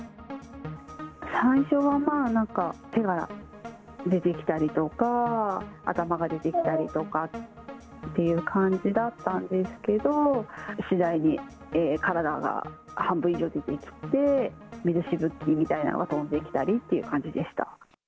最初はまあ、なんか手が出てきたりとか、頭が出てきたりとかっていう感じだったんですけど、次第に体が半分以上出てきて、水しぶきみたいなのが飛んできたりっていう感じでした。